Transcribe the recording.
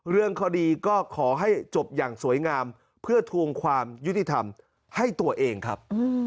เรื่องคดีก็ขอให้จบอย่างสวยงามเพื่อทวงความยุติธรรมให้ตัวเองครับ